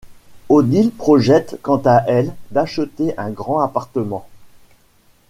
Odile projette, quant à elle, d'acheter un grand appartement.